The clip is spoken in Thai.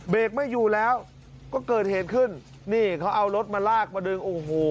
ไม่อยู่แล้วก็เกิดเหตุขึ้นนี่เขาเอารถมาลากมาดึงโอ้โห